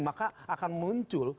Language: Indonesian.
maka akan muncul